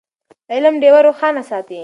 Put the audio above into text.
علم ډېوه روښانه ساتي.